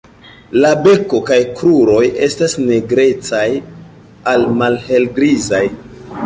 La beko kaj kruroj estas nigrecaj al malhelgrizaj.